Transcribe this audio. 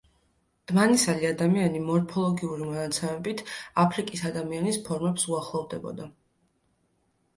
დმანისელი ადამიანი, მორფოლოგიური მონაცემებით, აფრიკის ადამიანის ფორმებს უახლოვდებოდა.